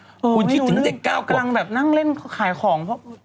คุณคิดถึงเด็กก้าวกว่าเออไม่รู้นึงกำลังแบบนั่งเล่นขายของเพราะ